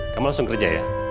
kamu langsung kerja ya